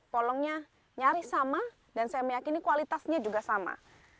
polongnya nyaris sama dan saya meyakini kualitasnya juga sama